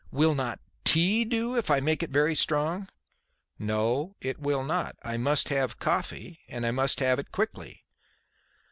Will not tea do, if I make it very strong?" "No, it will not. I must have coffee; and I must have it quickly."